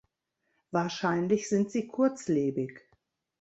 Wahrscheinlich sind sie kurzlebig.